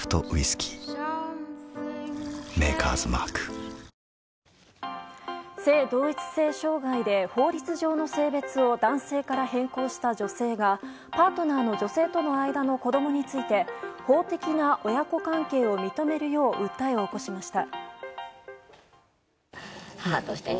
ヒト中心の街いよいよ動きだします男性から変更した女性がパートナーの女性との間の子供について法的な親子関係を認めるよう訴えを起こしました。